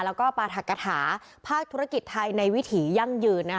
แล้วก็ปราธกฐาภาคธุรกิจไทยในวิถียั่งยืน